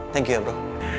terima kasih bro